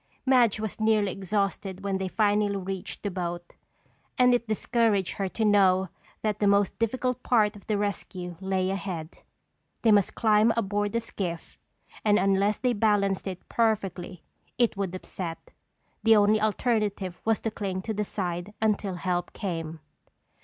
Madge was nearly exhausted when they finally reached the boat and it discouraged her to know that the most difficult part of the rescue lay ahead. They must climb aboard the skiff, and unless they balanced it perfectly it would upset. The only alternative was to cling to the side until help came.